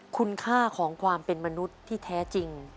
คุณค่าของความเป็นมนุษย์ที่แท้จริง